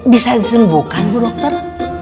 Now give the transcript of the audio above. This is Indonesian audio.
bisa disembuhkan bu dokter